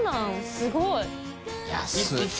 すごい。